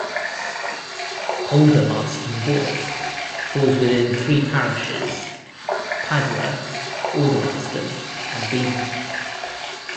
Aldermaston Wharf falls within three parishes-Padworth, Aldermaston and Beenham.